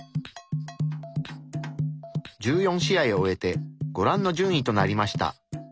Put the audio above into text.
１４試合を終えてご覧の順位となりました。